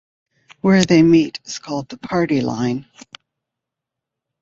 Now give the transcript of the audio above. Where they meet is called the parting line.